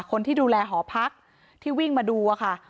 คนที่ดูแลหอพักที่วิ่งมาดูค่ะ